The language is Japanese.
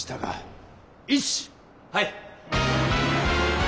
はい！